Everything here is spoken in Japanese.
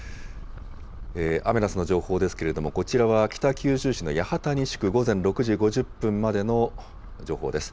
アメダスの情報ですけれども、こちらは北九州市の八幡西区、午前６時５０分までの情報です。